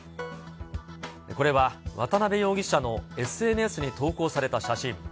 これは渡辺容疑者のＳＮＳに投稿された写真。